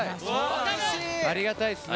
ありがたいですね。